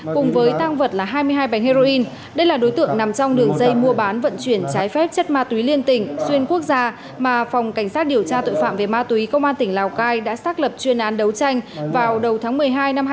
cùng với tăng vật là hai mươi hai bánh heroin đây là đối tượng nằm trong đường dây mua bán vận chuyển trái phép chất ma túy liên tỉnh xuyên quốc gia mà phòng cảnh sát điều tra tội phạm về ma túy công an tỉnh lào cai đã xác lập chuyên án đấu tranh vào đầu tháng một mươi hai năm hai nghìn hai mươi